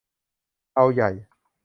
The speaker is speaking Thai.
เอาใหญ่